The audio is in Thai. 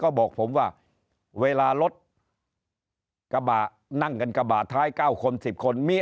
ก็บอกผมว่าเวลารถกระบะนั่งกันกระบะท้าย๙คน๑๐คนมี